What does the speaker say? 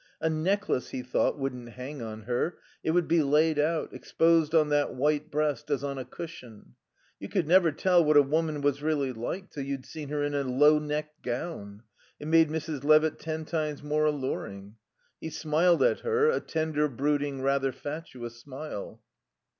A necklace, he thought, wouldn't hang on her; it would be laid out, exposed on that white breast as on a cushion. You could never tell what a woman was really like till you'd seen her in a low necked gown. It made Mrs. Levitt ten times more alluring. He smiled at her, a tender, brooding, rather fatuous smile.